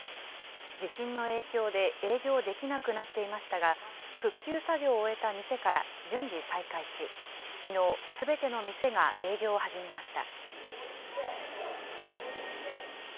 地震の影響で営業できなくなっていましたが、復旧作業を終えた店から順次、再開し、きのう、すべての店が営業を始めました。